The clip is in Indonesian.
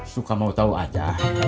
suka mau tau aja